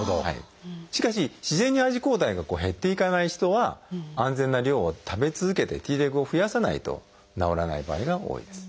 しかし自然にＩｇＥ抗体が減っていかない人は安全な量を食べ続けてＴレグを増やさないと治らない場合が多いです。